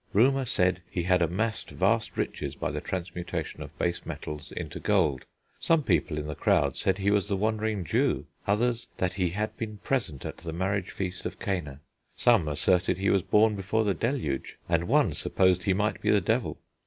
Rumour said he had amassed vast riches by the transmutation of base metals into gold. Some people in the crowd said he was the wandering Jew, others that he had been present at the marriage feast of Cana, some asserted he was born before the deluge, and one supposed he might be the devil.